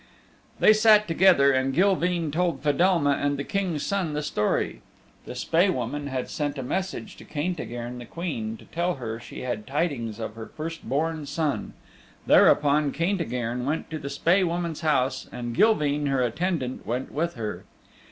They sat together, and Gilveen told Fedelma and the King's Son the story. The Spae Woman had sent a message to Caintigern the Queen to tell her she had tidings of her first born son. Thereupon Caintigern went to the Spae Woman's house and Gilveen, her attendant, went with her.